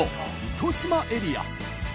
糸島エリア。